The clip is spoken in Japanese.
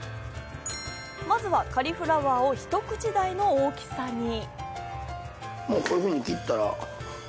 まずはカリフラワーをひと口大の大きさに。